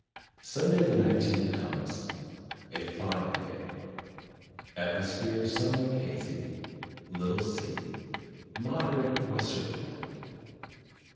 Sunday the 19th comes; a fine day, atmosphere somewhat hazy, little sea, moderate westerly wind.